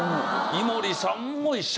井森さんも一緒？